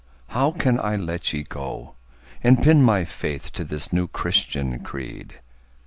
how can I let ye go And pin my faith to this new Christian creed?